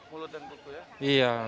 mulut dan buku ya